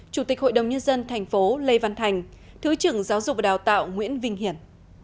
chủ tịch hội đồng nhân dân thành phố lê văn thành thứ trưởng giáo dục và đào tạo nguyễn vinh hiển